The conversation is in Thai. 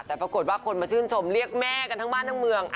แต่ปรากฏว่าคนมาชื่นชมเรียกแม่กันทั้งบ้านทั้งเมือง